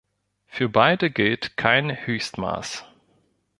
Für beide gilt kein Höchstmaß.